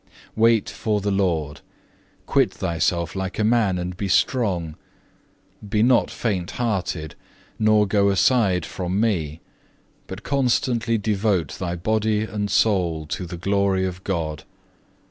Wait for the Lord, quit thyself like a man and be strong; be not faint hearted, nor go aside from Me, but constantly devote thy body and soul to the glory of God.